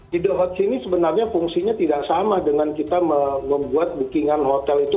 di the hots ini sebenarnya fungsinya tidak sama dengan kita membuat bookingan hotel itu